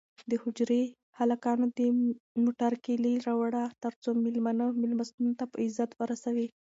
د حجرې هلکانو د موټر کیلي راوړه ترڅو مېلمانه مېلمستون ته په عزت ورسوي.